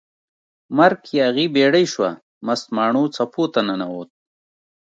مرک یاغي بیړۍ شوه، مست ماڼو څپو ته ننووت